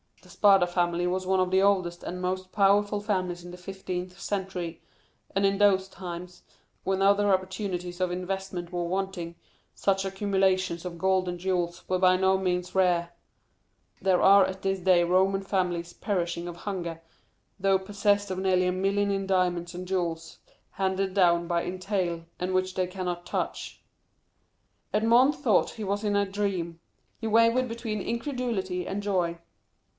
"The Spada family was one of the oldest and most powerful families of the fifteenth century; and in those times, when other opportunities for investment were wanting, such accumulations of gold and jewels were by no means rare; there are at this day Roman families perishing of hunger, though possessed of nearly a million in diamonds and jewels, handed down by entail, and which they cannot touch." Edmond thought he was in a dream—he wavered between incredulity and joy.